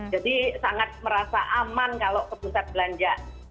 jadi sangat merasa aman kalau ke pusat belanja